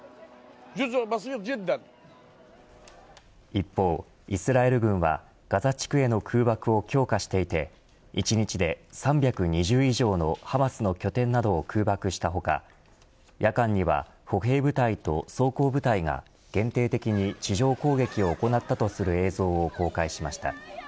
一方、イスラエル軍はガザ地区への空爆を強化していて１日で３２０以上のハマスの拠点などを空爆した他夜間には、歩兵部隊と走行部隊が限定的に地上攻撃を行ったとする映像を公開しました。